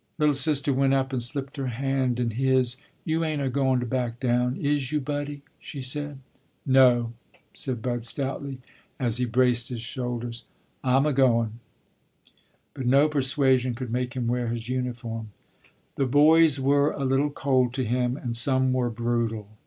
"Little sister" went up and slipped her hand in his. "You ain't a goin to back down, is you, Buddie?" she said. "No," said Bud stoutly, as he braced his shoulders, "I'm a goin'." But no persuasion could make him wear his uniform. The boys were a little cold to him, and some were brutal.